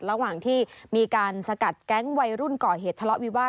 ระหว่างที่มีการสกัดแก๊งวัยรุ่นก่อเหตุทะเลาะวิวาส